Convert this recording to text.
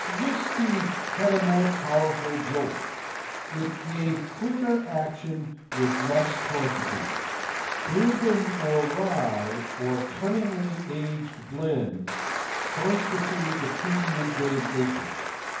Whisky had a more powerful jolt. It gave quicker action with less quantity. Bourbon or rye, or cunningly aged blends, constituted the pre midday drinking.